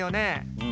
うん。